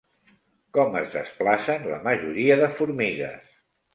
Com es desplacen la majoria de formigues?